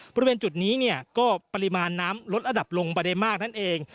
บริเวณจุดนี้เนี่ยก็ปริมาณน้ำลดระดับลงไปได้มากนั่นเอง